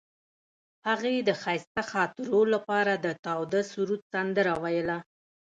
هغې د ښایسته خاطرو لپاره د تاوده سرود سندره ویله.